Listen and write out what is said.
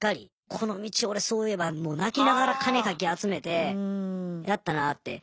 この道俺そういえばもう泣きながら金かき集めてやったなって。